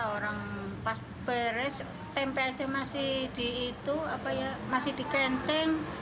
orang pas beres tempe aja masih di itu masih dikenceng